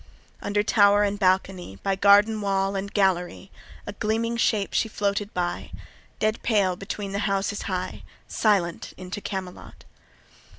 Under tower and balcony, By garden wall and gallery, A gleaming shape she floated by, A corse between the houses high, Silent into Camelot.